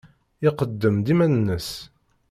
Iqeddem-d iman-nnes.